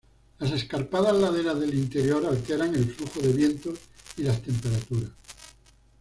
Las escarpadas laderas del interior alteran el flujo de vientos y las temperaturas.